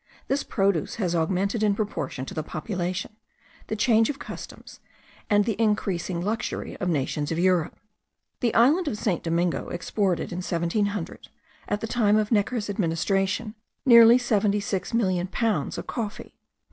This produce has augmented in proportion to the population, the change of customs, and the increasing luxury of the nations of Europe. The island of St. Domingo exported, in 1700, at the time of Necker's administration, nearly seventy six million pounds of coffee.